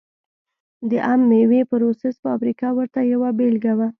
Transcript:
د عم مېوې پروسس فابریکه ورته یوه بېلګه وه.